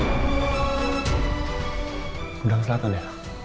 gudang selatan ya